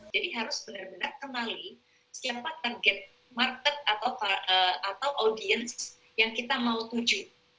jadi harus benar benar kenali siapa target market atau audience yang kita mau tuju